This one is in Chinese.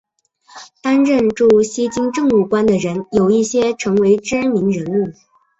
担任驻锡金政务官的人有一些成为知名人物。